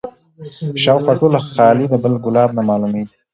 شاوخوا ټوله خالي ده بل ګلاب نه معلومیږي